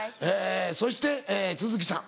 そして都筑さん。